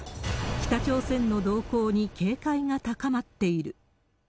北朝鮮の動向に警戒が高まっている。